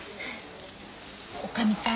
おかみさん